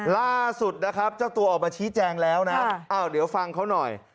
ล่าสุดนะครับเจ้าตัวออกมาชี้แจงแล้วนะอ้าวเดี๋ยวฟังเขาหน่อย